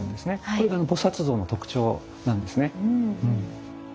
これが菩像の特徴なんですね。